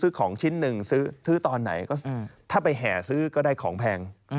ของชิ้นหนึ่งซื้อตอนไหนก็ถ้าไปแห่ซื้อก็ได้ของแพง